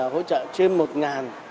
hỗ trợ trên một